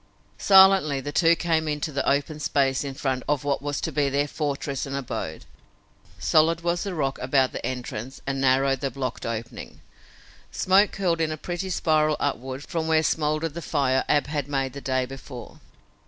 Silently the two came into the open space in front of what was to be their fortress and abode. Solid was the rock about the entrance and narrow the blocked opening. Smoke curled in a pretty spiral upward from where smoldered the fire Ab had made the day before.